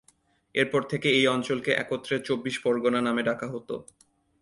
এরপর থেকে এই অঞ্চলকে একত্রে চব্বিশ পরগনা নামে ডাকা হতো।